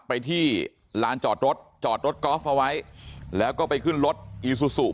ไปที่ลานจอดรถจอดรถกอล์ฟเอาไว้แล้วก็ไปขึ้นรถอีซูซู